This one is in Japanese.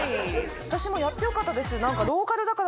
私もやってよかったです。